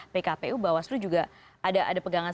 pkpu bawaslu juga ada pegangan